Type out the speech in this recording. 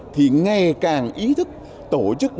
thì ngày càng ý thức tổ chức